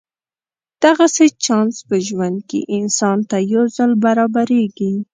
دغسې چانس په ژوند کې انسان ته یو ځل برابرېږي.